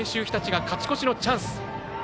日立が勝ち越しのチャンス。